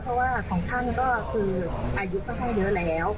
เพราะว่าของท่านก็คืออายุก็แค่เยอะแล้ว